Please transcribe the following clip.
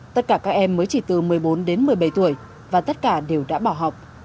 tất cả các em mới chỉ từ một mươi bốn đến một mươi bảy tuổi và tất cả đều đã bỏ học